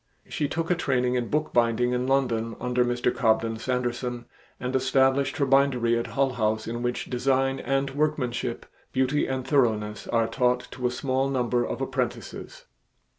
She took a training in bookbinding in London under Mr. Cobden Sanderson and established her bindery at Hull House in which design and workmanship, beauty and thoroughness are taught to a small number of apprentices.